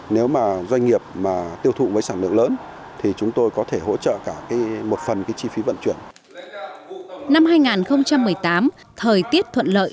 nếu mà doanh nghiệp mà tiêu thụ với sản lượng lớn thì chúng tôi có thể hỗ trợ cả một phần cái chi phí vận chuyển